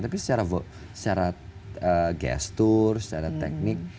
tapi secara gestur secara teknik